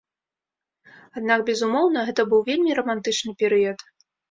Аднак, безумоўна, гэта быў вельмі рамантычны перыяд.